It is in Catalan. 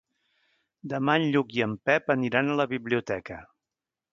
Demà en Lluc i en Pep aniran a la biblioteca.